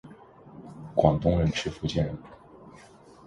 广东人吃福建人！